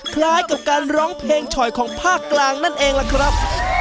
คล้ายกับการร้องเพลงฉ่อยของภาคกลางนั่นเองล่ะครับ